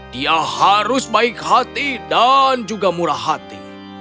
dia harus baik hati dan juga murah hati